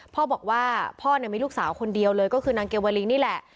พ่อบอกว่าพ่อมีลูกสาวคนเดียวเลยก็คือนางเกวลิงนี่แหละ